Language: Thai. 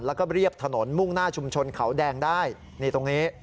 แล้วก็เรียบถนนมุ่งหน้าชุมชนเขาแดงได้นี่ตรงนี้